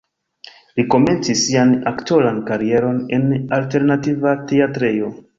Li komencis sian aktoran karieron en alternativa teatrejo.